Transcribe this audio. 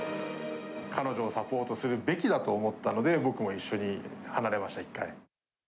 彼女をサポートするべきだと思ったので、僕も一緒に離れました、一回。